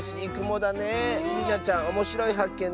りなちゃんおもしろいはっけん